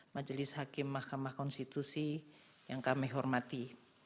majelis hakim mahkamah konstitusi yang kami hormati